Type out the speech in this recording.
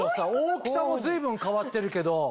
大きさも随分変わってるけど。